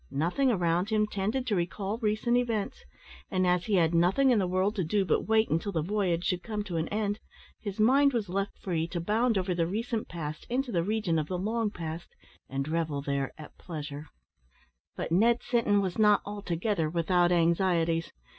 Nothing around him tended to recall recent events; and, as he had nothing in the world to do but wait until the voyage should come to an end, his mind was left free to bound over the recent past into the region of the long past, and revel there at pleasure. But Ned Sinton was not altogether without anxieties.